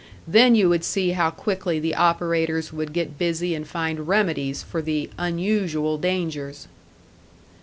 Then you would see how quickly the operators would get busy and find remedies for the "unusual" dangers!